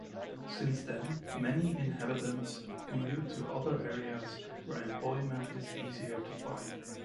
Since then, many inhabitants commute to other areas where employment is easier to find.